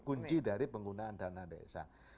kunci dari penggunaan dana desa